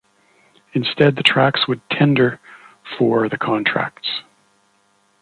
Instead the tracks would tender for the contracts.